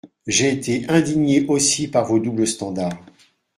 J’ai été indigné aussi par vos doubles standards.